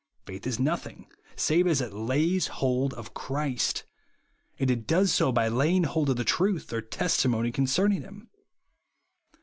Faith is nothing, save as it lays hold of Christ ; and it does so by laying hold of the truth or testimony con cerning him.